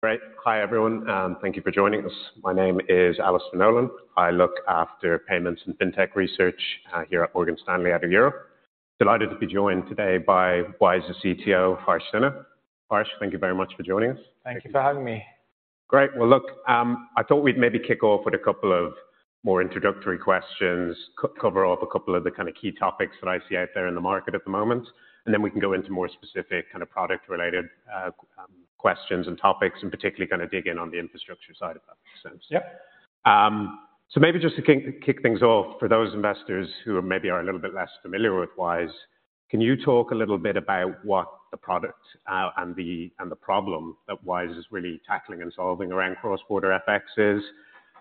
Great. Hi, everyone, and thank you for joining us. My name is Alastair Nolan. I look after Payments and FinTech Research here at Morgan Stanley out of Europe. Delighted to be joined today by Wise's CTO, Harsh Sinha. Harsh, thank you very much for joining us. Thank you for having me. Great. Well, look, I thought we'd maybe kick off with a couple of more introductory questions. Cover off a couple of the kind of key topics that I see out there in the market at the moment. Then we can go into more specific kind of product-related, questions and topics, and particularly kind of dig in on the infrastructure side, if that makes sense. Maybe just to kick things off, for those investors who maybe are a little bit less familiar with Wise, can you talk a little bit about what the product, and the problem that Wise is really tackling and solving around cross-border FX is,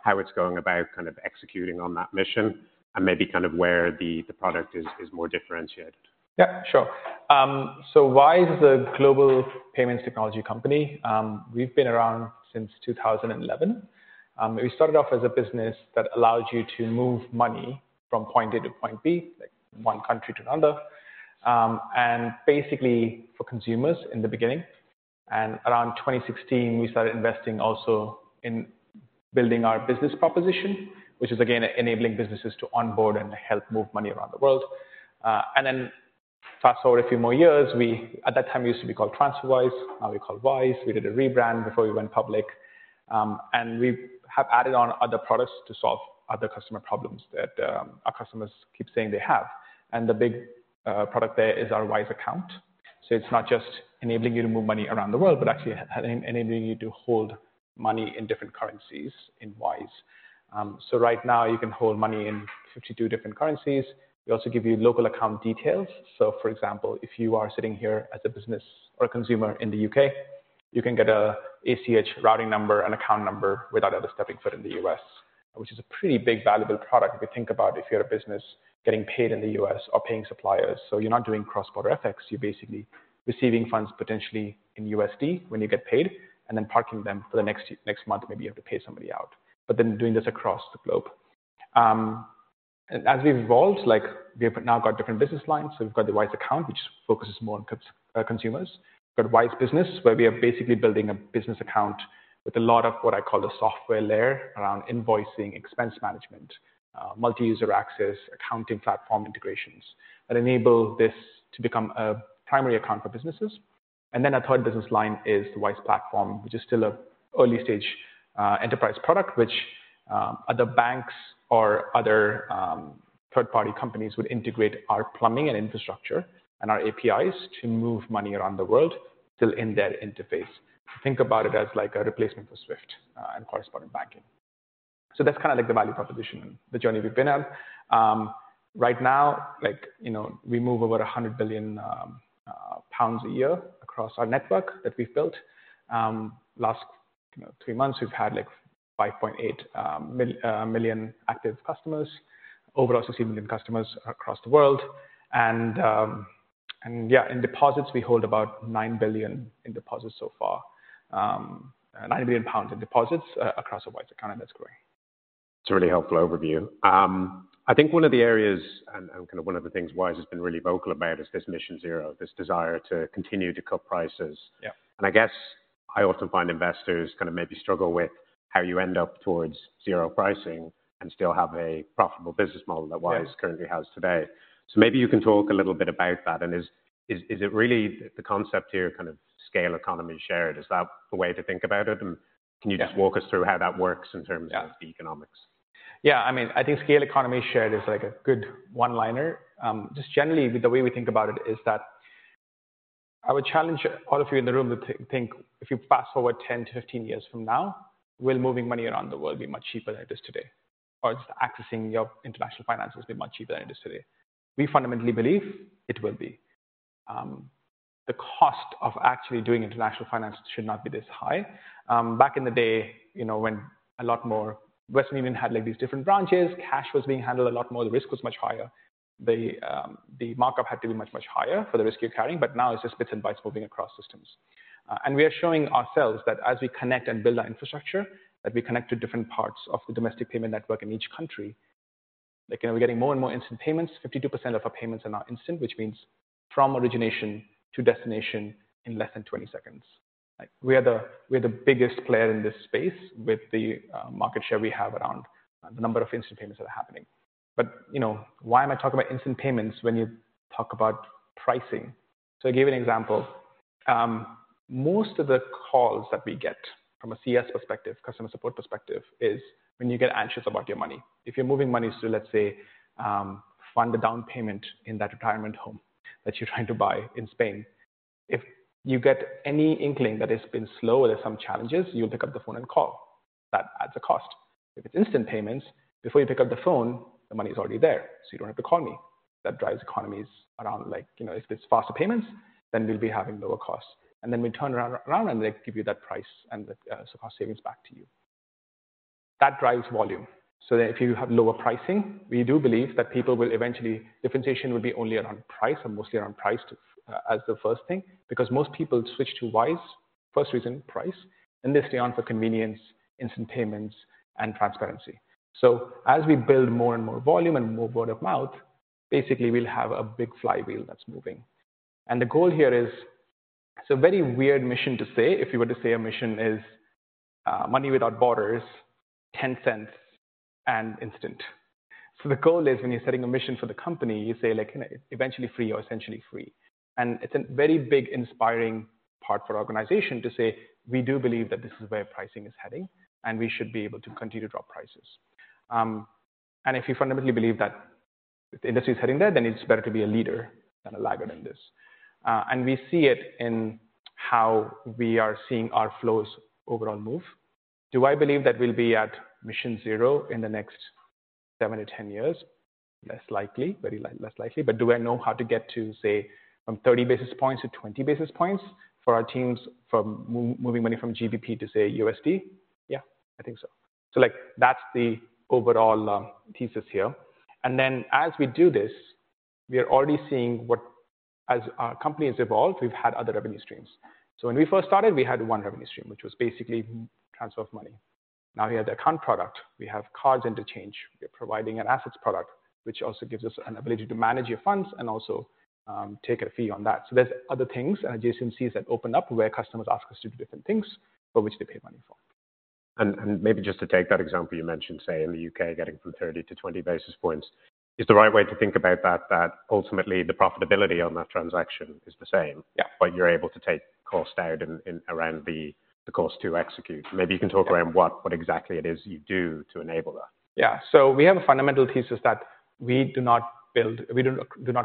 how it's going about kind of executing on that mission, and maybe kind of where the product is more differentiated? Yeah, sure. Wise is a global payments technology company. We've been around since 2011. We started off as a business that allows you to move money from point A to point B, like one country to another. Basically for consumers in the beginning. Around 2016, we started investing also in building our business proposition, which is again, enabling businesses to onboard and help move money around the world. Fast-forward a few more years, at that time, we used to be called TransferWise, now we're called Wise. We did a rebrand before we went public. We have added on other products to solve other customer problems that our customers keep saying they have. The big product there is our Wise Account. It's not just enabling you to move money around the world but actually enabling you to hold money in different currencies in Wise. Right now, you can hold money in 52 different currencies. We also give your local account details. For example, if you are sitting here as a business or a consumer in the U.K., you can get an ACH routing number and account number without ever stepping foot in the U.S., which is a pretty big valuable product if you think about if you're a business getting paid in the U.S. or paying suppliers. You're not doing cross-border FX, you're basically receiving funds potentially in USD when you get paid and then parking them for the next month when you have to pay somebody out, but doing this across the globe. As we've evolved, like we've now got different business lines. We've got the Wise Account, which focuses more on consumers. We've got Wise Business, where we are basically building a business account with a lot of what I call the software layer around invoicing, expense management, multi-user access, accounting platform integrations that enable this to become a primary account for businesses. A third business line is the Wise Platform, which is still an early-stage enterprise product, which other banks or other third-party companies would integrate our plumbing and infrastructure and our APIs to move money around the world still in their interface. Think about it as like a replacement for SWIFT and correspondent banking. That's kind of like the value proposition, the journey we've been on. Right now, like, you know, we move over 100 billion pounds a year across our network that we've built. Last, you know, three months, we've had like 5.8 million active customers. Overall, 60 million customers across the world. Yeah, in deposits, we hold about 9 billion in deposits so far. 9 billion pounds in deposits across our Wise Account, and that's growing. That's a really helpful overview. I think one of the areas and kind of one of the things Wise has been really vocal about is this Mission Zero, this desire to continue to cut prices. Yeah. I guess I often find investors kind of maybe struggle with how you end up towards zero pricing and still have a profitable business model- Yeah.... that Wise currently has today. Maybe you can talk a little bit about that. Is it really the concept here kind of scale economies shared? Is that the way to think about it? Can you just walk us through how that works in terms of the economics? Yeah. I mean, I think scale economies shared is like a good one-liner. just generally the way we think about it is that I would challenge all of you in the room to think if you fast-forward 10-15 years from now, will moving money around the world be much cheaper than it is today? Or accessing your international finances be much cheaper than it is today? We fundamentally believe it will be. the cost of actually doing international finance should not be this high. Back in the day, you know, when a lot more Western Union had like these different branches, cash was being handled a lot more, the risk was much higher. The markup had to be much, much higher for the risk you're carrying, but now it's just bits and bytes moving across systems. We are showing ourselves that as we connect and build our infrastructure, that we connect to different parts of the domestic payment network in each country. Like, you know, we're getting more and more instant payments. 52% of our payments are now instant, which means from origination to destination in less than 20 seconds. Like, we are the biggest player in this space with the market share we have around the number of instant payments that are happening. You know, why am I talking about instant payments when you talk about pricing? I'll give you an example. Most of the calls that we get from a CS perspective, customer support perspective, is when you get anxious about your money. If you're moving money to, let's say, fund a down payment in that retirement home that you're trying to buy in Spain, if you get any inkling that it's been slow or there's some challenges, you'll pick up the phone and call. That adds a cost. If it's instant payments, before you pick up the phone, the money's already there, so you don't have to call me. That drives economies around, like, you know, if it's faster payments, then we'll be having lower costs. We turn around and, like, give you that price and the cost savings back to you. That drives volume. If you have lower pricing, we do believe that people will eventually, differentiation will be only around price or mostly around price to, as the first thing. Most people switch to Wise, first reason, price, and they stay on for convenience, instant payments, and transparency. As we build more and more volume and more word of mouth, basically, we'll have a big flywheel that's moving. The goal here is, it's a very weird mission to say if you were to say a mission is, money without borders, $0.10 and instant. The goal is when you're setting a mission for the company, you say like eventually free or essentially free. It's a very big inspiring part for our organization to say, we do believe that this is where pricing is heading, and we should be able to continue to drop prices. If you fundamentally believe that the industry is heading there, it's better to be a leader than a laggard in this. We see it in how we are seeing our flows overall move. Do I believe that we'll be at Mission Zero in the next seven to 10 years? Less likely. Very less likely. Do I know how to get to, say, from 30 basis points to 20 basis points for our teams from moving money from GBP to say USD? Yeah, I think so. Like, that's the overall thesis here. As we do this, we are already seeing what-- As our company has evolved, we've had other revenue streams. So, when we first started, we had one revenue stream, which was basically transfer of money. Now we have the account product, we have cards interchange. We're providing an assets product, which also gives us an ability to manage your funds and also, take a fee on that. There are other things, adjacencies that open up where customers ask us to do different things for which they pay money for. Maybe just to take that example you mentioned, say in the U.K., getting from 30 to 20 basis points. Is the right way to think about that ultimately the profitability on that transaction is the same? Yeah. You're able to take cost out in around the cost to execute. Maybe you can talk around what exactly it is you do to enable that? Yeah. We have a fundamental thesis that we do not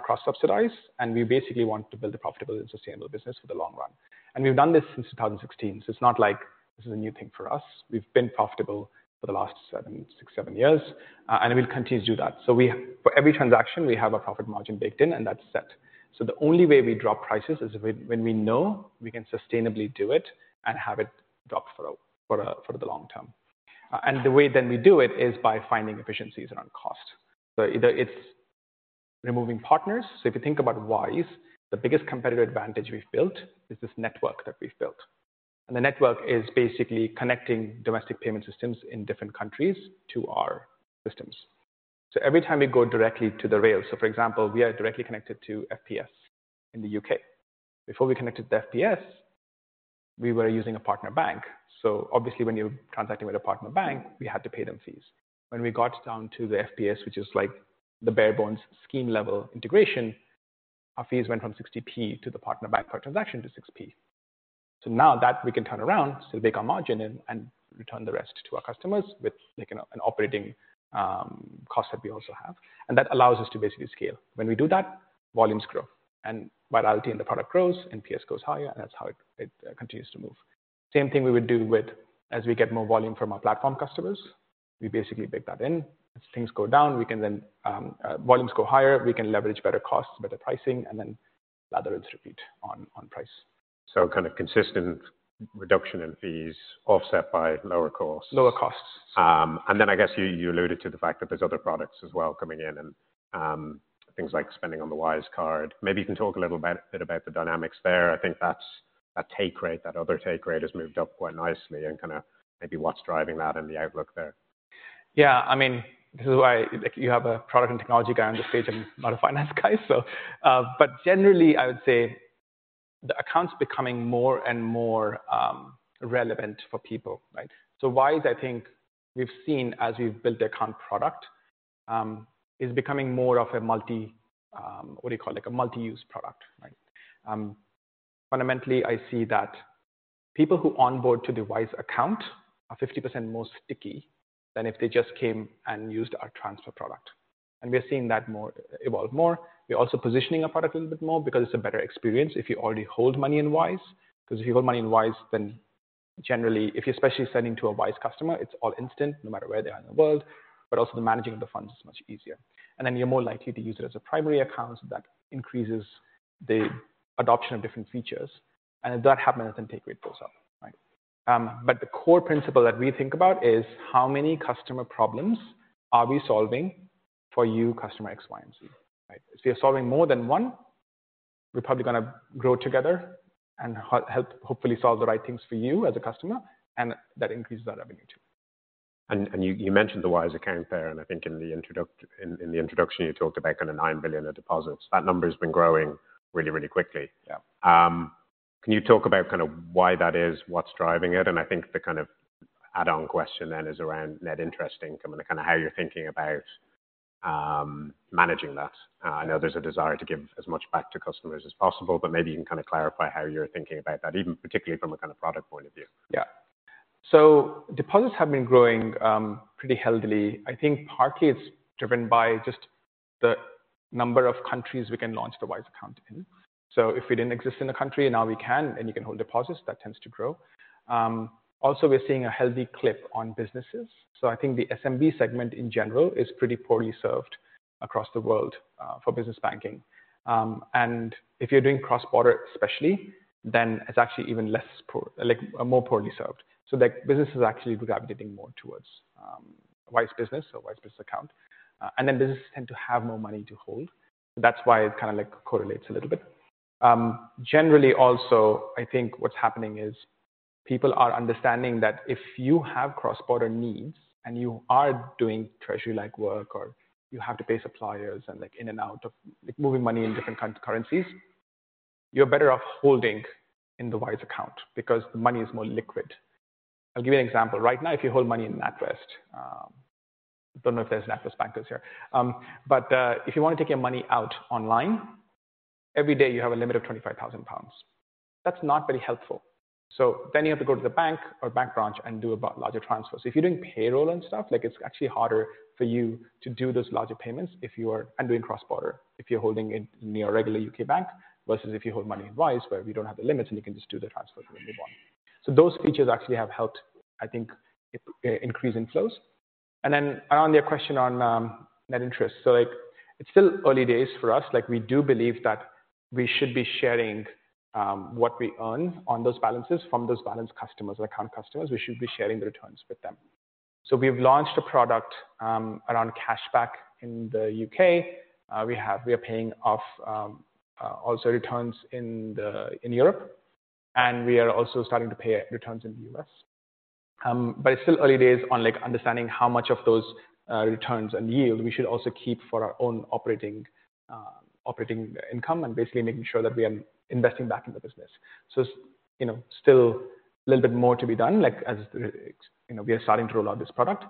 cross-subsidize, and we basically want to build a profitable and sustainable business for the long run. We've done this since 2016, so it's not like this is a new thing for us. We've been profitable for the last seven, six, seven years, and we'll continue to do that. For every transaction, we have a profit margin baked in and that's set. The only way we drop prices is when we know we can sustainably do it and have it drop for the long term. The way then we do it is by finding efficiencies around cost either, it's removing partners. If you think about Wise, the biggest competitive advantage we've built is this network that we've built. The network is basically connecting domestic payment systems in different countries to our systems. Every time we go directly to the rail. For example, we are directly connected to FPS in the U.K. Before we connected to FPS, we were using a partner bank. Obviously when you're transacting with a partner bank, we had to pay them fees. When we got down to the FPS, which is like the bare bones scheme level integration, our fees went from 0.60 to the partner bank per transaction to 0.06. Now that we can turn around, still bake our margin and return the rest to our customers with like an operating cost that we also have. That allows us to basically scale. When we do that, volumes grow, and virality in the product grows, NPS goes higher, and that's how it continues to move. Same thing we would do with as we get more volume from our platform customers, we basically bake that in. As things go down, volumes go higher, we can leverage better costs, better pricing, and then lather, rinse, repeat on price. Kind of consistent reduction in fees offset by lower costs. Lower costs. I guess you alluded to the fact that there's other products as well coming in and things like spending on the Wise card. You can talk a little bit about the dynamics there. That take rate, that other take rate has moved up quite nicely and kind of maybe what's driving that and the outlook there. Yeah. I mean, this is why, like you have a product and technology guy on the stage and not a finance guy. Generally, I would say the account's becoming more and more relevant for people, right? Wise, I think we've seen as we've built the account product, is becoming more of a multi, what do you call it? Like a multi-use product, right? Fundamentally, I see that people who onboard to the Wise Account are 50% more sticky than if they just came and used our transfer product. We are seeing that more, evolve more. We're also positioning our product a little bit more because it's a better experience if you already hold money in Wise, because if you hold money in Wise, then generally, if you're especially sending to a Wise customer, it's all instant no matter where they are in the world, but also the managing of the funds is much easier. Then you're more likely to use it as a primary account, so that increases the adoption of different features. If that happens, then take rate goes up, right? The core principle that we think about is how many customer problems are we solving for you, customer X, Y, and Z, right? If you're solving more than one, we're probably going to grow together and help hopefully solve the right things for you as a customer, that increases our revenue too. You mentioned the Wise Account there, and I think in the introduction, you talked about kind of 9 billion of deposits. That number has been growing really quickly. Yeah. Can you talk about kind of why that is? What's driving it? I think the kind of add-on question then is around net interest income and kind of how you're thinking about managing that. I know there's a desire to give as much back to customers as possible, but maybe you can kind of clarify how you're thinking about that, even particularly from a kind of product point of view. Yeah. Deposits have been growing pretty healthily. I think partly it's driven by just the number of countries we can launch the Wise Account in. If we didn't exist in a country and now, we can, and you can hold deposits, that tends to grow. Also, we're seeing a healthy clip on businesses. I think the SMB segment in general is pretty poorly served across the world for business banking. If you're doing cross-border especially, then it's actually even more poorly served. The businesses are actually gravitating more towards Wise Business or Wise Business account. Businesses tend to have more money to hold. That's why its kind of like correlates a little bit. Generally also, I think what's happening is people are understanding that if you have cross-border needs and you are doing treasury-like work or you have to pay suppliers and like in and out of, like moving money in different currencies, you're better off holding in the Wise Account because the money is more liquid. I'll give you an example. Right now, if you hold money in NatWest, don't know if there's NatWest bankers here. If you want to take your money out online, every day you have a limit of 25,000 pounds. That's not very helpful. You have to go to the bank or bank branch and do a lot larger transfers. If you're doing payroll and stuff, like it's actually harder for you to do those larger payments if you are doing cross-border, if you're holding it in your regular U.K. bank versus if you hold money in Wise, where we don't have the limits, and you can just do the transfers when you want. Those features actually have helped, I think increase inflows. Around your question on net interest. Like it's still early days for us. Like, we do believe that we should be sharing what we earn on those balances from those balance customers or account customers. We should be sharing the returns with them. We've launched a product around cashback in the U.K. We are paying off also returns in Europe, and we are also starting to pay returns in the U.S. It's still early days on like understanding how much of those returns and yield we should also keep for our own operating income and basically making sure that we are investing back in the business. You know, still a little bit more to be done, like as, you know, we are starting to roll out this product.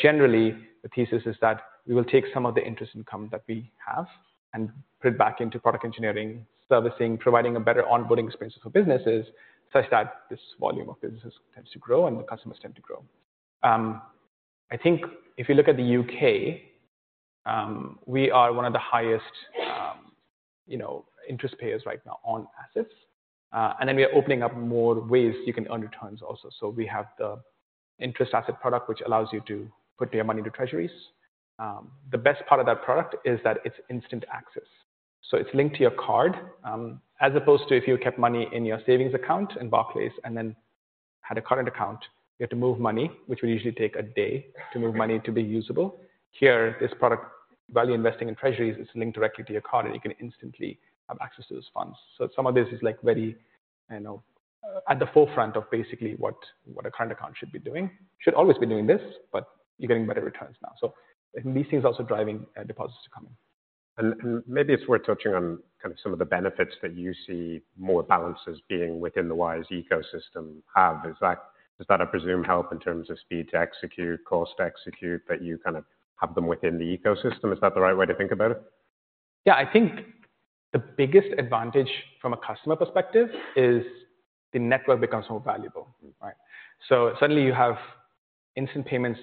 Generally, the thesis is that we will take some of the interest income that we have and put it back into product engineering, servicing, providing a better onboarding experience for businesses, such that this volume of business tends to grow and the customers tend to grow. I think if you look at the U.K., we are one of the highest, you know, interest payers right now on assets. Then we are opening up more ways you can earn returns also. We have the interest asset product, which allows you to put your money into treasuries. The best part of that product is that it's instant access, so it's linked to your card. As opposed to if you kept money in your savings account in Barclays and then had a current account, you had to move money, which would usually take a day to move money to be usable. Here, this product value investing in treasuries is linked directly to your card, and you can instantly have access to those funds. Some of this is like very, you know, at the forefront of basically what a current account should be doing. Should always be doing this, but you're getting better returns now. These things are also driving deposits to come in. Maybe it's worth touching on kind of some of the benefits that you see more balances being within the Wise ecosystem have. Does that I presume help in terms of speed to execute, cost to execute, that you kind of have them within the ecosystem? Is that the right way to think about it? Yeah. I think the biggest advantage from a customer perspective is the network becomes more valuable, right? Suddenly you have instant payments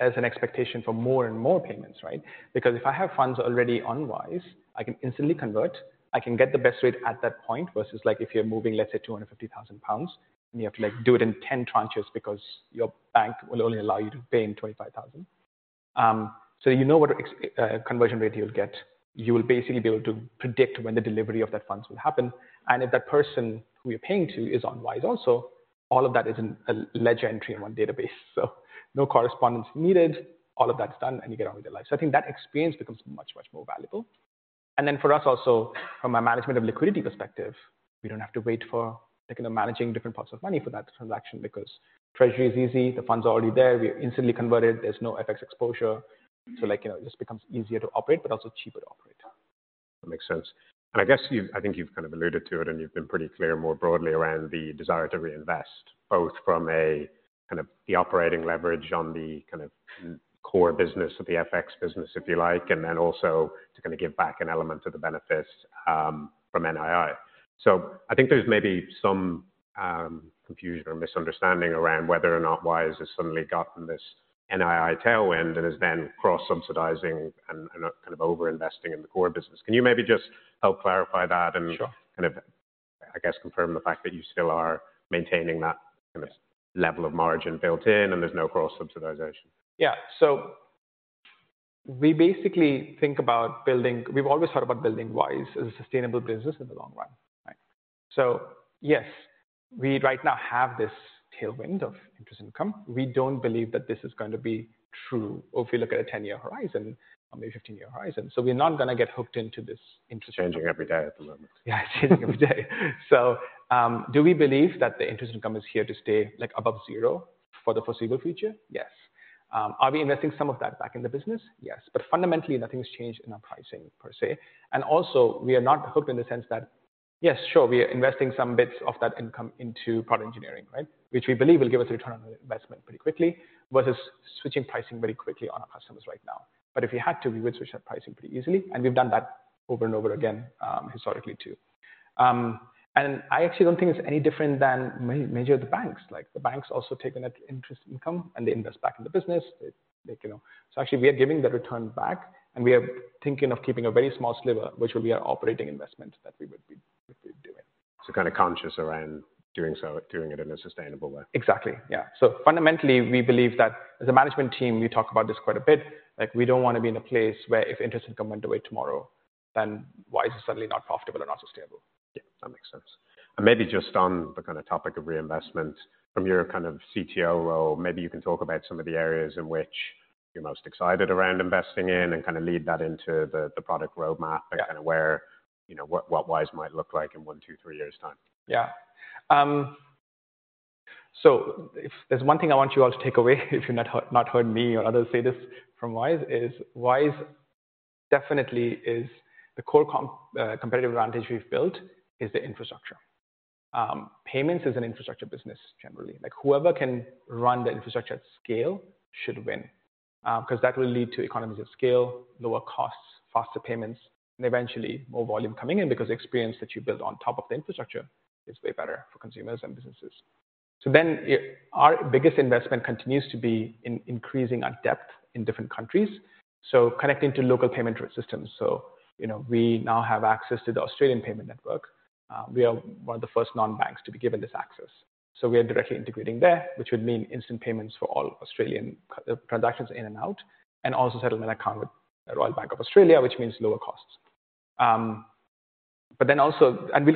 as an expectation for more and more payments, right? Because if I have funds already on Wise, I can instantly convert. I can get the best rate at that point versus like if you're moving, let's say 250,000 pounds, and you have to like to do it in 10 tranches because your bank will only allow you to pay in 25,000. You know what conversion rate you'll get. You will basically be able to predict when the delivery of that funds will happen. If that person who you're paying to is on Wise also, all of that is in a ledger entry in one database. No correspondence needed. All of that's done, you get on with your life. I think that experience becomes much more valuable. For us also, from a management of liquidity perspective, we don't have to wait for, like, you know, managing different pots of money for that transaction because treasury is easy. The funds are already there. We instantly convert it. There's no FX exposure. Like, you know, it just becomes easier to operate but also cheaper to operate. That makes sense. I guess I think you've kind of alluded to it, and you've been pretty clear more broadly around the desire to reinvest, both from a kind of the operating leverage on the kind of core business of the FX business, if you like, and then also to kind of give back an element of the benefits from NII. I think there's maybe some confusion or misunderstanding around whether or not Wise has suddenly gotten this NII tailwind and is then cross-subsidizing and kind of overinvesting in the core business. Can you maybe just help clarify that? Sure. Kind of, I guess, confirm the fact that you still are maintaining that kind of level of margin built in and there's no cross-subsidization? Yeah. We basically think about building Wise as a sustainable business in the long run, right? Yes, we right now have this tailwind of interest income. We don't believe that this is going to be true if you look at a 10-year horizon or maybe 15-year horizon. We're not going to get hooked into this interest- Changing every day at the moment. Yeah, changing every day. Do we believe that the interest income is here to stay like above zero for the foreseeable future? Yes. Are we investing some of that back in the business? Yes. Fundamentally, nothing's changed in our pricing per se. Also, we are not hooked in the sense that, yes, sure, we are investing some bits of that income into product engineering, right? Which we believe will give us a return on investment pretty quickly versus switching pricing very quickly on our customers right now. If we had to, we would switch that pricing pretty easily, and we've done that over and over again, historically too. I actually don't think it's any different than major banks. Like the banks also take in that interest income, and they invest back in the business. They, you know. Actually, we are giving the return back, and we are thinking of keeping a very small sliver, which will be our operating investment that we would be doing. Kind of conscious around doing so, doing it in a sustainable way. Exactly, yeah. Fundamentally, we believe that as a management team, we talk about this quite a bit. Like, we don't want to be in a place where if interest income went away tomorrow, then Wise is suddenly not profitable or not sustainable. Yeah, that makes sense. Maybe just on the kind of topic of reinvestment, from your kind of CTO role, maybe you can talk about some of the areas in which you're most excited around investing in and kind of lead that into the product roadmap? Yeah. kind of where, you know, what Wise might look like in one, two, three years' time. Yeah. So, if there's one thing I want you all to take away, if you've not heard me or others say this from Wise, is Wise definitely is the core competitive advantage we've built is the infrastructure. Payments is an infrastructure business generally. Like, whoever can run the infrastructure at scale should win. Because that will lead to economies of scale, lower costs, faster payments, and eventually more volume coming in because the experience that you build on top of the infrastructure is way better for consumers and businesses. Our biggest investment continues to be in increasing our depth in different countries, so connecting to local payment systems. You know, we now have access to the Australian payment network. We are one of the first non-banks to be given this access. We are directly integrating there, which would mean instant payments for all Australian transactions in and out, and also settlement account with the Reserve Bank of Australia, which means lower costs. We'll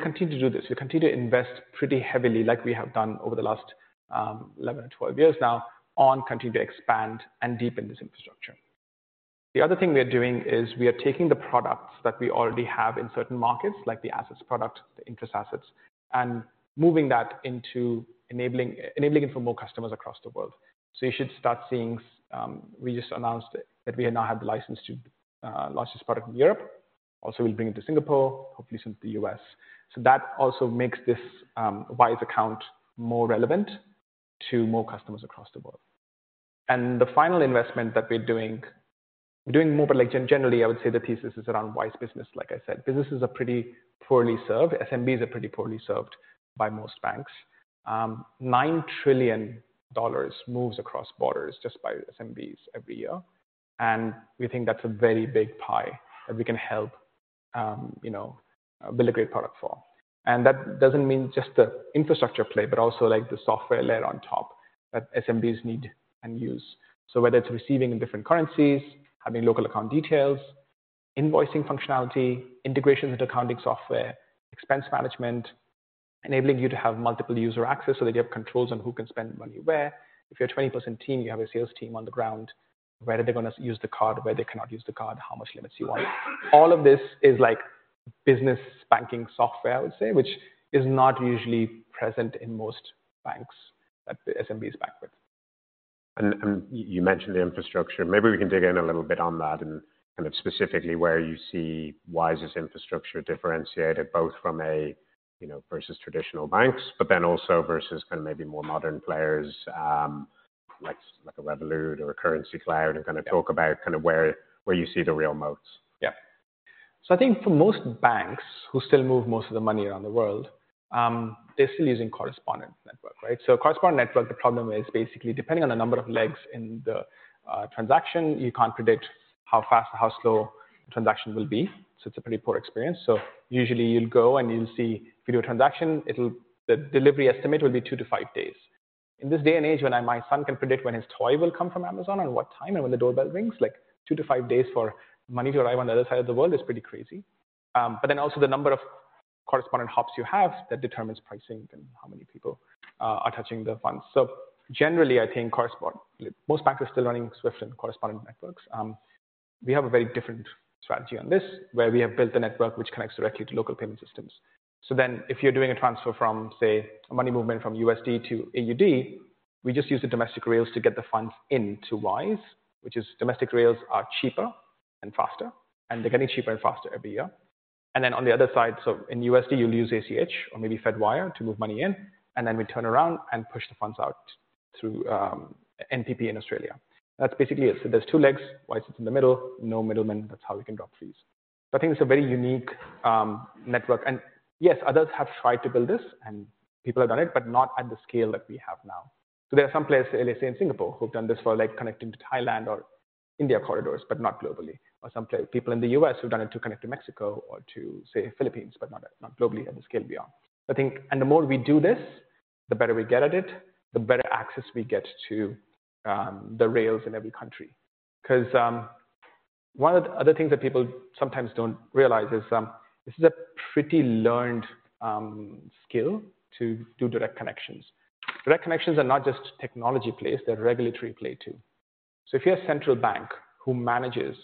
continue to do this. We'll continue to invest pretty heavily like we have done over the last 11 or 12 years now on continue to expand and deepen this infrastructure. The other thing we are doing is we are taking the products that we already have in certain markets, like the asset's product, the interest assets, and moving that into enabling it for more customers across the world. You should start seeing, we just announced that we now have the license to launch this product in Europe. Also, we'll bring it to Singapore, hopefully soon to the U.S. That also makes this Wise Account more relevant to more customers across the world. The final investment that we're doing, we're doing more, but like generally, I would say the thesis is around Wise Business, like I said. Businesses are pretty poorly served. SMBs are pretty poorly served by most banks. $9 trillion moves across borders just by SMBs every year, and we think that's a very big pie that we can help, you know, build a great product for. That doesn't mean just the infrastructure play, but also like the software layer on top that SMBs need and use. Whether it's receiving in different currencies, having local account details, invoicing functionality, integration with accounting software, expense management, enabling you to have multiple user access so that you have controls on who can spend money where. If you're a 20-person team, you have a sales team on the ground, where are they going to use the card? Where they cannot use the card? How much limits you want? All of this is like business banking software, I would say, which is not usually present in most banks that the SMB is backed with. You mentioned the infrastructure. Maybe we can dig in a little bit on that and kind of specifically where you see Wise's infrastructure differentiated both from a, you know, versus traditional banks, but then also versus kind of maybe more modern players, like a Revolut or a Currencycloud, and kind of talk about kind of where you see the real moats. I think for most banks who still move most of the money around the world, they're still using correspondent network, right? Correspondent network, the problem is basically depending on the number of legs in the transaction, you can't predict how fast or how slow a transaction will be, so it's a pretty poor experience. Usually, you'll go and you'll see for your transaction, the delivery estimate will be two to five days. In this day and age, when my son can predict when his toy will come from Amazon or what time and when the doorbell rings, like two to five days for money to arrive on the other side of the world is pretty crazy. Also, the number of correspondent hops you have that determines pricing and how many people are touching the funds. Generally, I think most banks are still running SWIFT and correspondent networks. We have a very different strategy on this, where we have built a network which connects directly to local payment systems. If you're doing a transfer from, say, a money movement from USD to AUD, we just use the domestic rails to get the funds into Wise, which is domestic rails are cheaper and faster, and they're getting cheaper and faster every year. On the other side, in USD, you'll use ACH or maybe Fedwire to move money in, and then we turn around and push the funds out through NPP in Australia. That's basically it. There's two legs. Wise is in the middle. No middleman. That's how we can drop fees. I think it's a very unique network. Yes, others have tried to build this and people have done it, but not at the scale that we have now. There are some places, let's say in Singapore, who've done this for like connecting to Thailand or India corridors, but not globally. People in the U.S. who've done it to connect to Mexico or to, say, Philippines, but not globally at the scale we are. The more we do this, the better we get at it, the better access we get to the rails in every country. Because one of the other things that people sometimes don't realize is this is a pretty learned skill to do direct connections. Direct connections are not just technology plays, they're regulatory play too. If you're a central bank who manages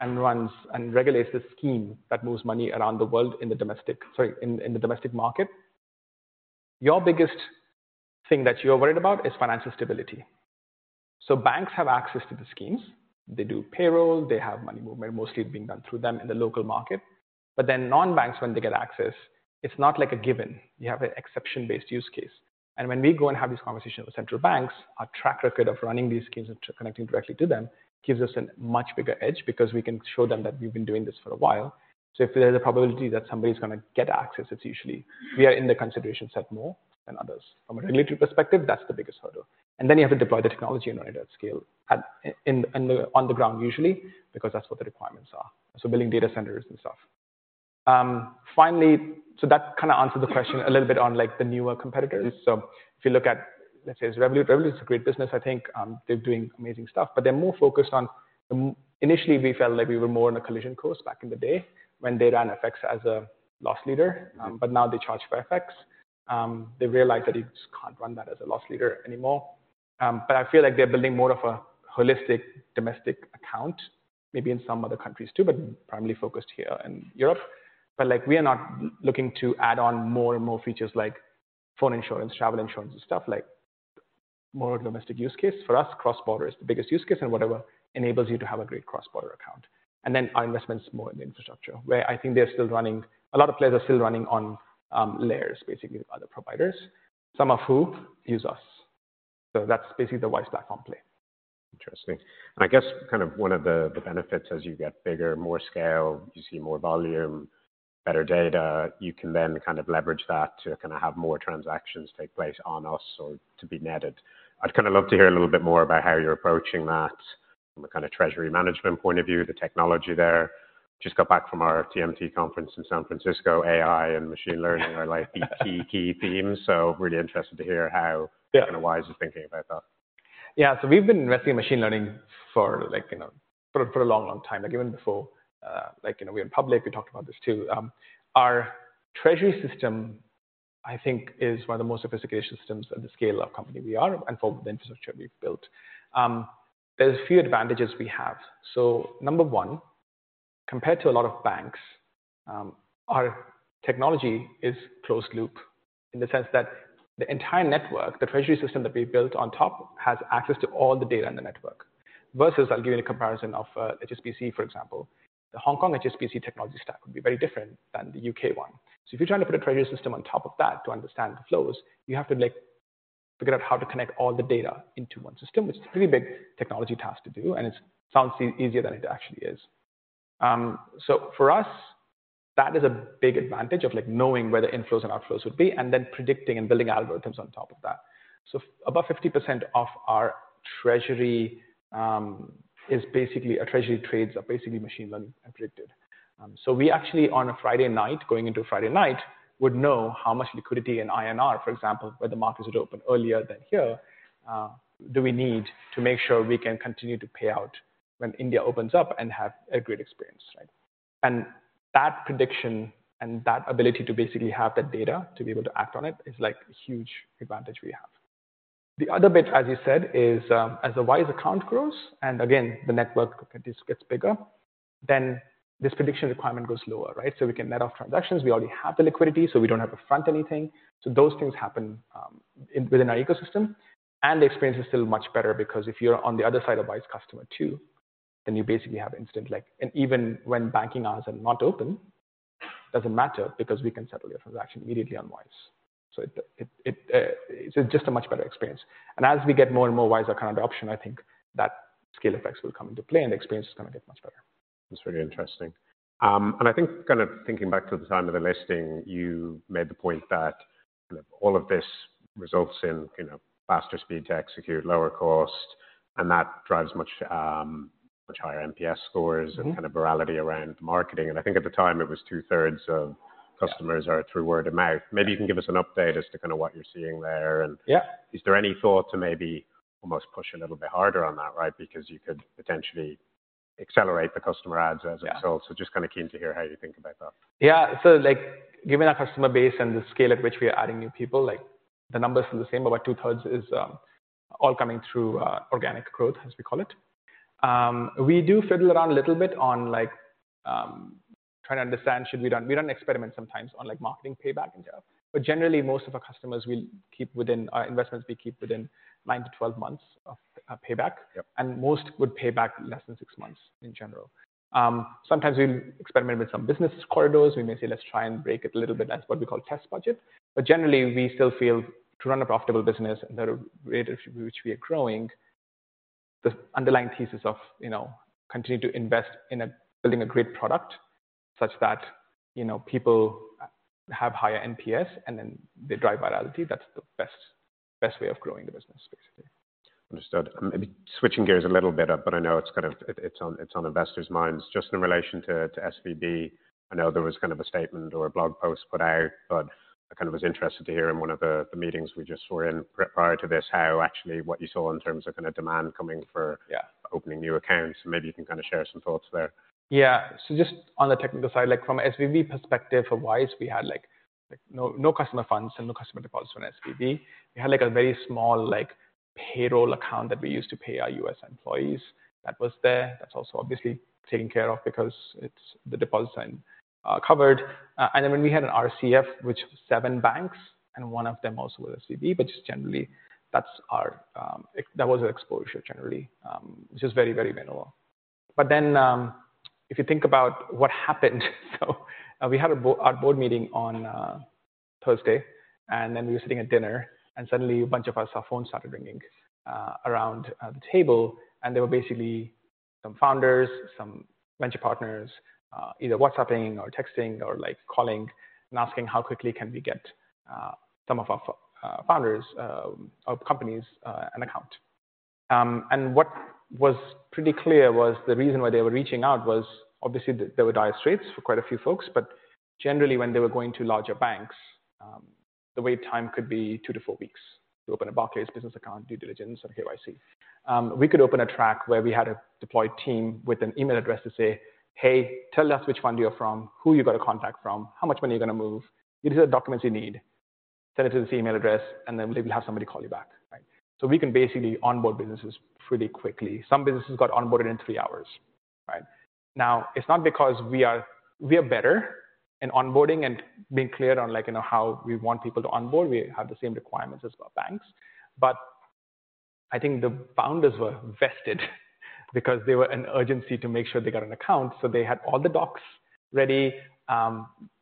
and runs and regulates the scheme that moves money around the world in the domestic, sorry, in the domestic market, your biggest thing that you're worried about is financial stability. Banks have access to the schemes. They do payroll, they have money movement mostly being done through them in the local market. Non-banks, when they get access, it's not like a given. You have an exception-based use case. When we go and have these conversations with central banks, our track record of running these schemes and connecting directly to them gives us a much bigger edge because we can show them that we've been doing this for a while. If there's a probability that somebody's going to get access, it's usually we are in the consideration set more than others. From a regulatory perspective, that's the biggest hurdle. Then you have to deploy the technology and run it at scale at, in the, on the ground usually, because that's what the requirements are. Building data centers and stuff. Finally, that kind of answered the question a little bit on like the newer competitors. If you look at, let's say it's Revolut. Revolut is a great business, I think. They're doing amazing stuff. They're more focused Initially, we felt like we were more on a collision course back in the day when they ran FX as a loss leader. Now they charge for FX. They realized that you just can't run that as a loss leader anymore. I feel like they're building more of a holistic domestic account, maybe in some other countries too, but primarily focused here in Europe. Like, we are not looking to add on more and more features like phone insurance, travel insurance, and stuff like more domestic use case. For us, cross-border is the biggest use case, and whatever enables you to have a great cross-border account. Our investment is more in the infrastructure, where I think a lot of players are still running on, layers, basically, with other providers, some of whom use us. That's basically the Wise Platform play. Interesting. I guess kind of one of the benefits as you get bigger, more scale, you see more volume, better data, you can then kind of leverage that to kind of have more transactions take place on us or to be netted. I'd kind of love to hear a little bit more about how you're approaching that from a kind of treasury management point of view, the technology there. Just got back from our TMT conference in San Francisco. AI and machine learning are like the key themes. Really interested to hear how- Yeah.... kind of Wise is thinking about that. Yeah. We've been investing in machine learning for like, you know, for a long time. Even before, like, you know, we went public, we talked about this too. Our treasury system, I think, is one of the most sophisticated systems at the scale of company we are and for the infrastructure we've built. There's a few advantages we have. Number one, compared to a lot of banks, our technology is closed loop in the sense that the entire network, the treasury system that we built on top, has access to all the data in the network. Versus I'll give you a comparison of HSBC, for example. The Hong Kong HSBC technology stack would be very different than the U.K. one. If you're trying to put a treasury system on top of that to understand the flows, you have to, like, figure out how to connect all the data into one system. It's a pretty big technology task to do, and it sounds easier than it actually is. For us, that is a big advantage of, like, knowing where the inflows and outflows would be and then predicting and building algorithms on top of that. Above 50% of our treasury is basically our treasury trades are basically machine learning predicted. We actually, on a Friday night, going into a Friday night, would know how much liquidity in INR, for example, where the markets would open earlier than here, do we need to make sure we can continue to pay out when India opens up and have a great experience, right? That prediction and that ability to basically have that data to be able to act on it is like a huge advantage we have. The other bit, as you said, is, as the Wise Account grows, and again, the network gets bigger, then this prediction requirement goes lower, right? We can net off transactions. We already have the liquidity, so we don't have to front anything. Those things happen within our ecosystem. The experience is still much better because if you're on the other side of Wise customer too, then you basically have instant. Even when banking hours are not open, doesn't matter because we can settle your transaction immediately on Wise. It's just a much better experience. As we get more and more Wise Account adoption, I think that scale effects will come into play and the experience is going to get much better. That's very interesting. I think kind of thinking back to the time of the listing, you made the point that all of this results in, you know, faster speed to execute, lower cost, and that drives much higher NPS scores- Mm-hmm.... kind of virality around marketing. I think at the time it was 2/3 of customers- Yeah.... are through word of mouth. Maybe you can give us an update as to kind of what you're seeing there and- Yeah. Is there any thought to maybe almost push a little bit harder on that, right? You could potentially accelerate the customer adds as a result. Just kind of keen to hear how you think about that. Given our customer base and the scale at which we are adding new people, like the numbers are the same. About 2/3 is all coming through organic growth, as we call it. We do fiddle around a little bit on like trying to understand we run experiments sometimes on like marketing payback in general. Generally, our investments we keep within nine to 12 months of payback. Yep. Most would pay back less than six months in general. Sometimes we experiment with some business corridors. We may say, let's try and break it a little bit. That's what we call test budget. Generally, we still feel to run a profitable business at the rate at which we are growing, the underlying thesis of, you know, continue to invest in a building a great product such that, you know, people have higher NPS and then they drive virality. That's the best way of growing the business, basically. Understood. Maybe switching gears a little bit, I know it's on investors' minds. In relation to SVB, I know there was a statement or a blog post put out, I was interested to hear in one of the meetings we just were in prior to this, how actually what you saw in terms of demand coming for- Yeah.... opening new accounts. Maybe you can kind of share some thoughts there. Yeah. Just on the technical side, like from SVB perspective, for Wise, we had like no customer funds and no customer deposits from SVB. We had like a very small like payroll account that we used to pay our U.S. employees. That was there. That's also obviously taken care of because it's the deposits are covered. When we had an RCF, which seven banks and one of them also was SVB, which is generally that's our that was our exposure generally, which is very, very minimal. If you think about what happened, we had our board meeting on Thursday, we were sitting at dinner, suddenly a bunch of us, our phones started ringing around the table. They were basically some founders, some venture partners, either WhatsApp-ing or texting or like calling and asking how quickly we can get some of our founders, our companies, an account. What was pretty clear was the reason why they were reaching out was obviously there were dire straits for quite a few folks. Generally, when they were going to larger banks. The wait time could be two to four weeks to open a Barclays business account, due diligence or KYC. We could open a track where we had a deployed team with an email address to say, "Hey, tell us which fund you're from, who you got a contact from, how much money you're going to move. These are the documents you need. Send it to this email address, and then we'll have somebody call you back." Right? We can basically onboard businesses pretty quickly. Some businesses got onboarded in three hours, right? It's not because we are better in onboarding and being clear on like, you know, how we want people to onboard. We have the same requirements as our banks. I think the founders were vested because they were in urgency to make sure they got an account, so they had all the docs ready.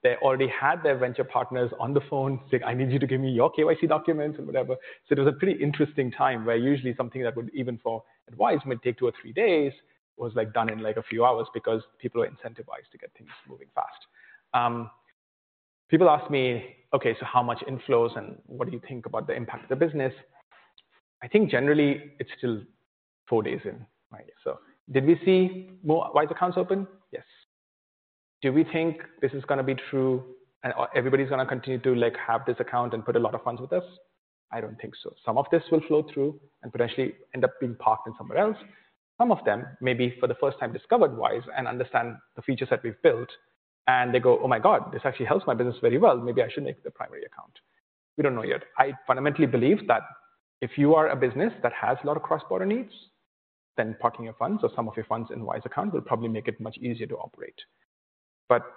They already had their venture partners on the phone, said, "I need you to give me your KYC documents," and whatever. It was a pretty interesting time, where usually something that would even for Wise may take two or three days, was like done in like a few hours because people are incentivized to get things moving fast. People ask me, "Okay, so how much inflows and what do you think about the impact of the business?" I think generally it's still four days in, right? Did we see more Wise accounts open? Yes. Do we think this is going to be true and everybody's going to continue to like, have this account and put a lot of funds with us? I don't think so. Some of this will flow through and potentially end up being parked in somewhere else. Some of them may be for the first time discovered Wise and understand the features that we've built, and they go, "Oh my god, this actually helps my business very well. Maybe I should make it the primary account." We don't know yet. I fundamentally believe that if you are a business that has a lot of cross-border needs, then parking your funds or some of your funds in Wise Account will probably make it much easier to operate.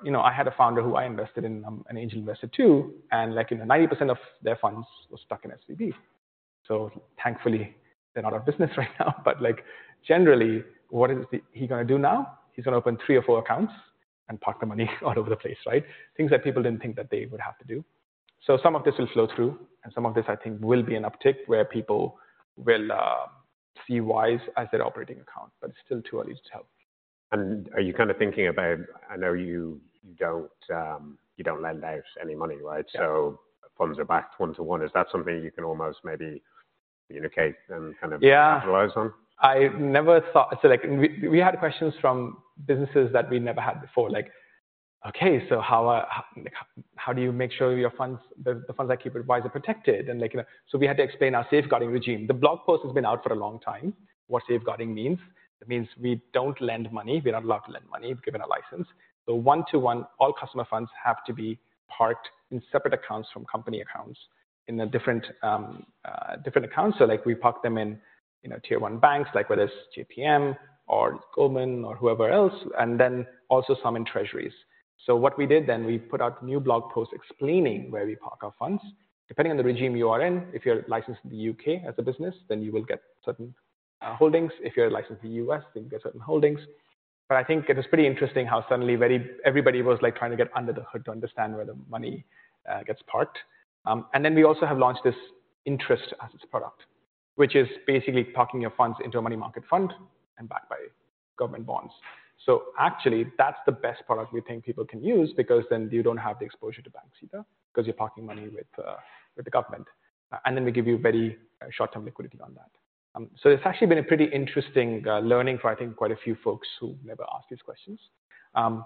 You know, I had a founder who I invested in, an angel investor too, and like, you know, 90% of their funds were stuck in SVB. Thankfully they're not out of business right now. Like, generally, what is he going to do now? He's going to open three or four accounts and park the money all over the place, right? Things that people didn't think that they would have to do. Some of this will flow through, and some of this, I think, will be an uptick where people will see Wise as their operating account, but it's still too early to tell. Are you kind of thinking about... I know you don't lend out any money, right? Yeah. Funds are backed one-to-one. Is that something you can almost maybe communicate and kind of- Yeah... capitalize on? I never thought... Like, we had questions from businesses that we never had before, like, "Okay, like, how do you make sure your funds, the funds I keep with Wise are protected?" Like, you know. We had to explain our safeguarding regime. The blog post has been out for a long time. What safeguarding means. It means we don't lend money. We're not allowed to lend money. We've given a license. One-to-one, all customer funds have to be parked in separate accounts from company accounts in a different account. Like we park them in, you know, tier one banks, like whether it's JPM or Goldman or whoever else, and then also some in Treasuries. What we did then, we put out new blog posts explaining where we park our funds. Depending on the regime you are in, if you're licensed in the U.K. as a business, then you will get certain holdings. If you're licensed in the U.S., then you get certain holdings. I think it is pretty interesting how suddenly everybody was like trying to get under the hood to understand where the money gets parked. We also have launched this interest as product, which is basically parking your funds into a money market fund and backed by government bonds. Actually, that's the best product we think people can use because then you don't have the exposure to banks either, because you're parking money with the government. We give you very short-term liquidity on that. It's actually been a pretty interesting learning for I think quite a few folks who never ask these questions. On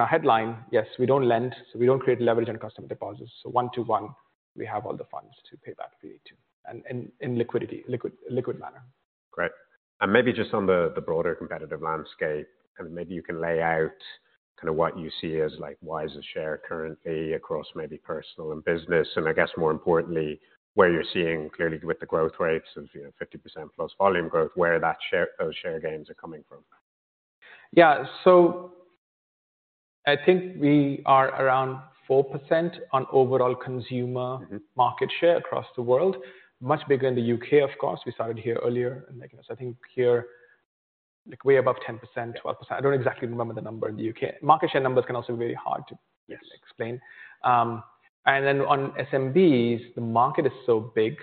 a headline, yes, we don't lend, so we don't create leverage on customer deposits. One-to-one, we have all the funds to pay back if we need to, in liquidity, liquid manner. Maybe just on the broader competitive landscape, kind of maybe you can lay out kind of what you see as like Wise's share currently across maybe personal and business, and I guess more importantly, where you're seeing clearly with the growth rates of, you know, 50%+ volume growth, where that share, those share gains are coming from? Yeah. I think we are around 4% on overall consumer market share across the world. Much bigger in the U.K., of course. We started here earlier and like, I think here, like way above 10%, 12%. I don't exactly remember the number in the U.K. Market share numbers can also be very hard to- Yes.... explain. On SMBs, the market is so big,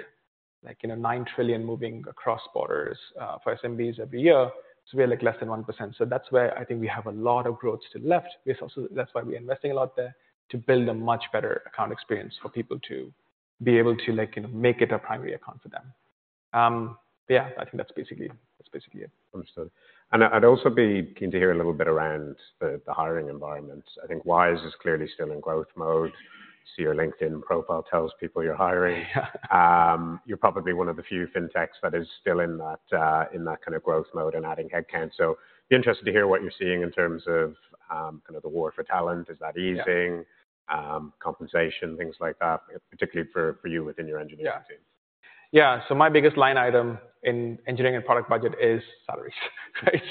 like, you know, $9 trillion moving across borders for SMBs every year. We're like less than 1%. That's where I think we have a lot of growth still left. That's why we're investing a lot there to build a much better account experience for people to be able to like, you know, make it a primary account for them. Yeah, I think that's basically, that's basically it. Understood. I'd also be keen to hear a little bit around the hiring environment. I think Wise is clearly still in growth mode. See your LinkedIn profile tells people you're hiring. Yeah. You're probably one of the few fintechs that is still in that kind of growth mode and adding headcount. Be interested to hear what you're seeing in terms of, kind of the war for talent. Is that easing? Yeah. Compensation, things like that, particularly for you within your engineering team. Yeah. My biggest line item in engineering and product budget is salaries, right?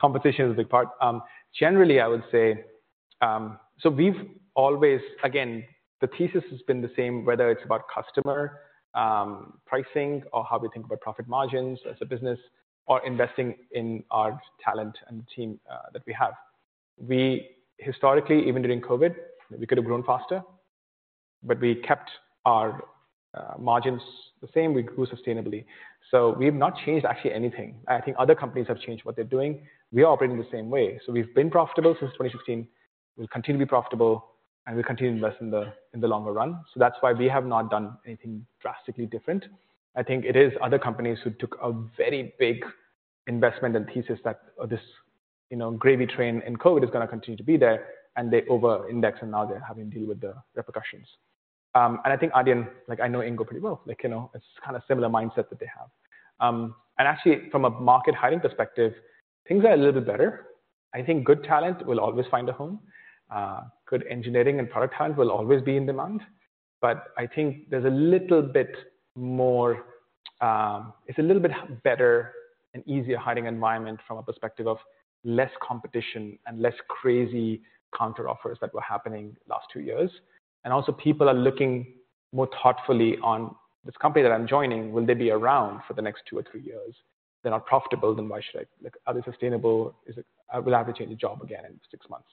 Competition is a big part. Generally, I would say. Again, the thesis has been the same, whether it's about customer, pricing or how we think about profit margins as a business or investing in our talent and team, that we have. We historically, even during COVID, we could have grown faster, but we kept our margins the same. We grew sustainably. We've not changed actually anything. I think other companies have changed what they're doing. We are operating the same way. We've been profitable since 2016. We'll continue to be profitable, and we'll continue to invest in the longer run. That's why we have not done anything drastically different. I think it is other companies who took a very big investment and thesis that this, you know, gravy train in COVID is going to continue to be there, and they're over-indexed, and now they're having to deal with the repercussions. I think Adyen, like, I know Ingo pretty well. You know, it's kind of similar mindset that they have. Actually, from a market hiring perspective, things are a little bit better. I think good talent will always find a home. Good engineering and product talent will always be in demand. I think there's a little bit more, it's a little bit better and easier hiring environment from a perspective of less competition and less crazy counteroffers that were happening last two years. People are looking more thoughtfully on this company that I'm joining, will they be around for the next two or three years? They're not profitable. Are they sustainable? Will I have to change the job again in six months?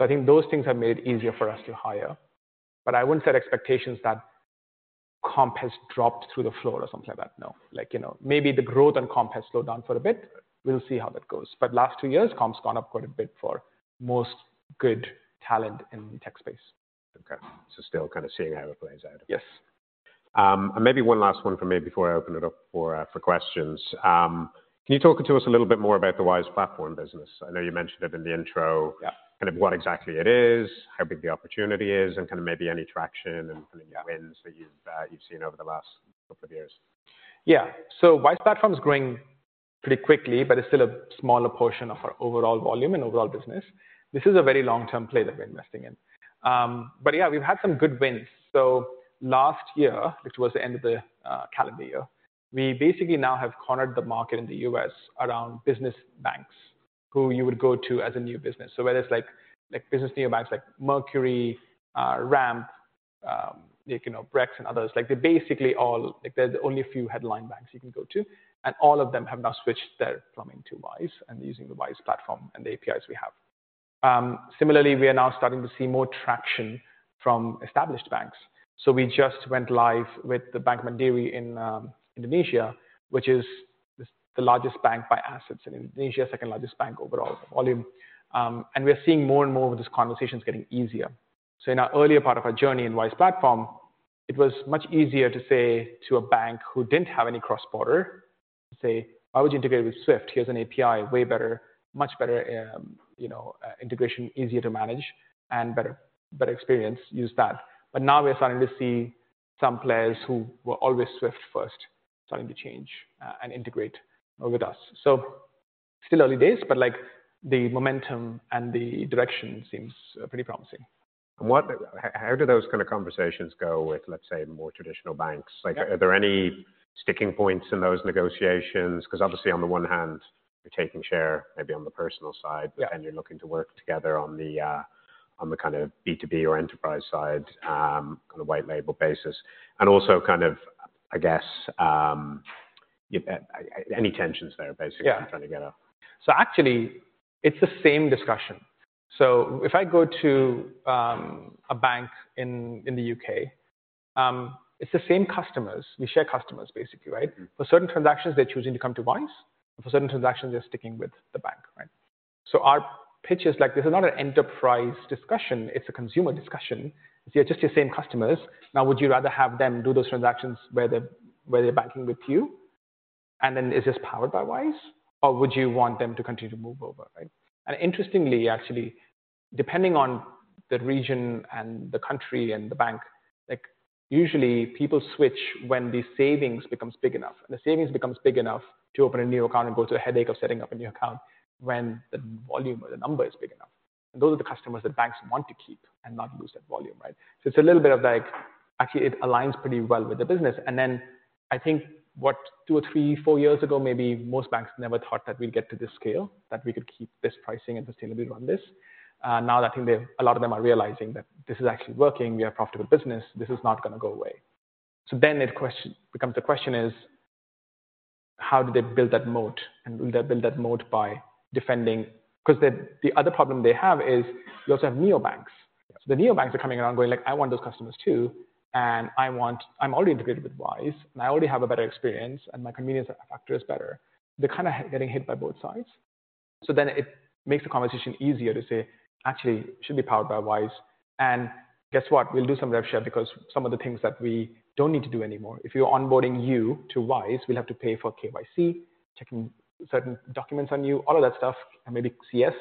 I think those things have made it easier for us to hire. I wouldn't set expectations that comp has dropped through the floor or something like that. No. You know, maybe the growth on comp has slowed down for a bit. We'll see how that goes. Last two years, comp's gone up quite a bit for most good talent in tech space. Okay. Still kind of seeing how it plays out. Yes. Maybe one last one from me before I open it up for questions. Can you talk to us a little bit more about the Wise Platform business? I know you mentioned it in the intro-... Yeah. ... kind of what exactly it is, how big the opportunity is, and kind of maybe any traction and kind of wins that you've seen over the last couple of years. Wise Platform is growing pretty quickly, but it's still a smaller portion of our overall volume and overall business. This is a very long-term play that we're investing in. Yeah, we've had some good wins. Last year, which was the end of the calendar year, we basically now have cornered the market in the U.S. around business banks who you would go to as a new business. Whether it's like business neobanks like Mercury, Ramp, you know, Brex and others, like, they're basically like there's only a few headline banks you can go to, and all of them have now switched their plumbing to Wise and using the Wise Platform and the APIs we have. Similarly, we are now starting to see more traction from established banks. We just went live with Bank Mandiri in Indonesia, which is the largest bank by assets in Indonesia, second-largest bank overall volume. We are seeing more and more of these conversations getting easier. In our earlier part of our journey in Wise Platform, it was much easier to say to a bank who didn't have any cross-border, to say, "Why would you integrate with SWIFT? Here's an API, way better, much better, you know, integration, easier to manage and better experience. Use that." Now we are starting to see some players who were always SWIFT first starting to change and integrate with us. Still early days, but, like, the momentum and the direction seems pretty promising. How do those kinds of conversations go with, let's say, more traditional banks? Yeah. Like, are there any sticking points in those negotiations? Because obviously, on the one hand, you're taking share maybe on the personal side- Yeah. You're looking to work together on the on the kind of B2B or enterprise side on a white label basis. Kind of, I guess, any tensions there, basically? Yeah. I'm trying to get at. Actually, it's the same discussion. If I go to a bank in the U.K., it's the same customers. We share customers basically, right? Mm-hmm. For certain transactions, they're choosing to come to Wise, and for certain transactions, they're sticking with the bank, right? Our pitch is like this is not an enterprise discussion. It's a consumer discussion. These are just your same customers. Would you rather have them do those transactions where they're banking with you, and then is this powered by Wise? Would you want them to continue to move over, right? Interestingly, actually, depending on the region and the country and the bank, like, usually people switch when the savings becomes big enough, and the savings becomes big enough to open a new account and go through the headache of setting up a new account when the volume or the number is big enough. Those are the customers that banks want to keep and not lose that volume, right? It's a little bit of like, actually, it aligns pretty well with the business. I think what, two or three, four years ago maybe, most banks never thought that we'd get to this scale, that we could keep this pricing and sustainably run this. Now I think a lot of them are realizing that this is actually working. We are a profitable business. This is not going to go away. It becomes the question is: How do they build that moat? Will they build that moat by defending because the other problem they have is you also have neobanks. The neobanks are coming around going like, "I want those customers too, I'm already integrated with Wise, and I already have a better experience, and my convenience factor is better." They're kind of getting hit by both sides. It makes the conversation easier to say, "Actually, it should be powered by Wise." Guess what? We'll do some rev share because some of the things that we don't need to do anymore. If we are onboarding you to Wise, we'll have to pay for KYC, checking certain documents on you, all of that stuff, and maybe CS,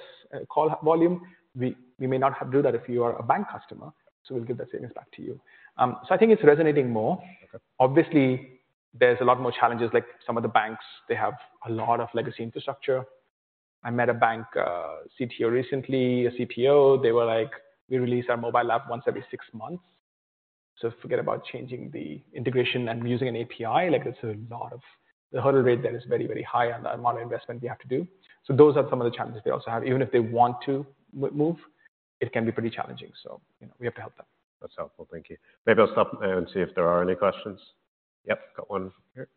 call volume. We may not have do that if you are a bank customer, we'll give that savings back to you. I think it's resonating more. Okay. There's a lot more challenges, like some of the banks, they have a lot of legacy infrastructure. I met a bank, CTO recently, a CPO. They were like, "We release our mobile app once every six months, forget about changing the integration and using an API." Like, the hurdle rate there is very, very high on the amount of investment we have to do. Those are some of the challenges they also have. Even if they want to move, it can be pretty challenging. you know, we have to help them. That's helpful. Thank you. Maybe I'll stop there and see if there are any questions. Yep. Got one here.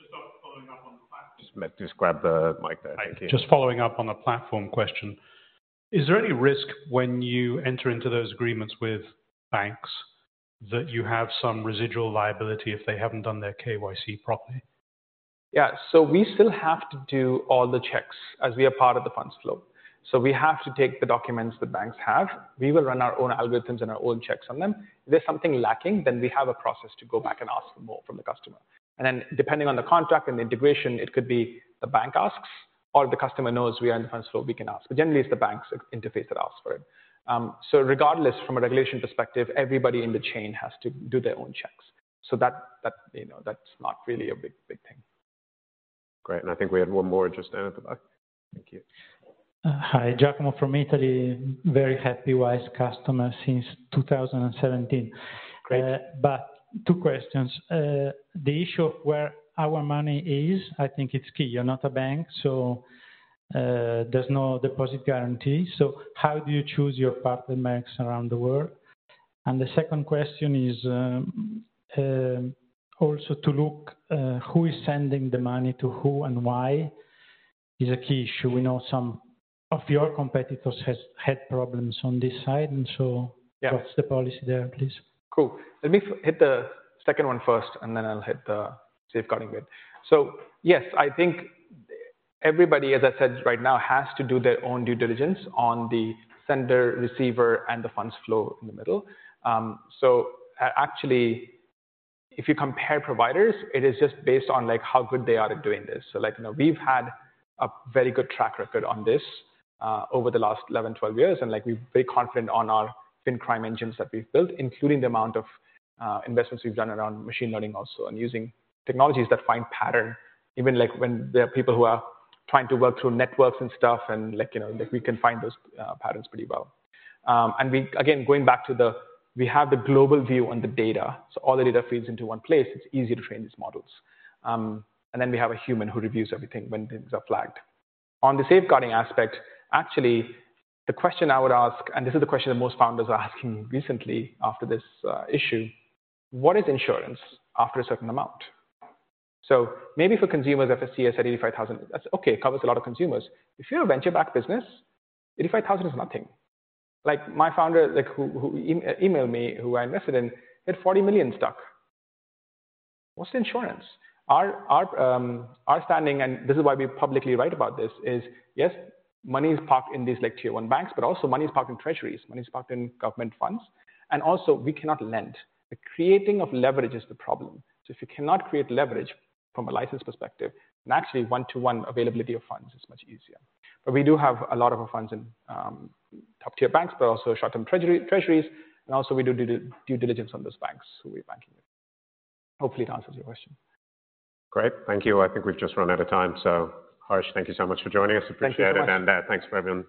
Just following up on the platform. Just grab the mic there. Thank you. Just following up on the platform question. Is there any risk when you enter into those agreements with banks that you have some residual liability if they haven't done their KYC properly? Yeah. We still have to do all the checks, as we are part of the funds flow. We have to take the documents the banks have. We will run our own algorithms and our own checks on them. If there's something lacking, then we have a process to go back and ask for more from the customer. Depending on the contract and the integration, it could be the bank asks, or the customer knows we are in the funds flow, we can ask. Generally, it's the bank's interface that asks for it. Regardless from a regulation perspective, everybody in the chain has to do their own checks. That, you know, that's not really a big thing. Great. I think we had one more just down at the back. Thank you. Hi. Giacomo from Italy. Very happy Wise customer since 2017. Great. Two questions. The issue of where our money is, I think it's key. You're not a bank, so there's no deposit guarantee. How do you choose your partner banks around the world? The second question is also to look who is sending the money to who and why is a key issue. We know some of your competitors has had problems on this side. Yeah. What's the policy there, please? Cool. Let me hit the second one first, and then I'll hit the safeguarding bit. Yes, I think everybody, as I said right now, has to do their own due diligence on the sender, receiver, and the funds flow in the middle. Actually, if you compare providers, it is just based on, like, how good they are at doing this. Like, you know, we've had a very good track record on this, over the last 11, 12 years, and like, we're very confident on our fin crime engines that we've built, including the amount of investments we've done around machine learning also, and using technologies that find pattern, even like when there are people who are trying to work through networks and stuff, and like, you know, like we can find those patterns pretty well. Again, going back to, we have the global view on the data, so all the data feeds into one place, it's easier to train these models. We have a human who reviews everything when things are flagged. On the safeguarding aspect, actually, the question I would ask, and this is the question that most founders are asking recently after this issue: What is insurance after a certain amount? Maybe for consumers, FSCS said 85,000. That's okay. It covers a lot of consumers. If you're a venture-backed business, 85,000 is nothing. Like my founder, who emailed me, who I invested in, had 40 million stuck. What's the insurance? Our standing, this is why we publicly write about this, is yes, money is parked in these like tier one banks, also money is parked in treasuries, money is parked in government funds, also we cannot lend. The creating of leverage is the problem. If you cannot create leverage from a license perspective, actually one-to-one availability of funds is much easier. We do have a lot of our funds in top tier banks, also short-term treasuries, also we do due diligence on those banks who we are banking with. Hopefully it answers your question. Great. Thank you. I think we've just run out of time. Harsh, thank you so much for joining us. Thank you very much. Appreciate it. thanks for everyone's...